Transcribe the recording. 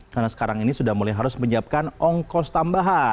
karena sekarang ini sudah mulai harus menyiapkan ongkos tambahan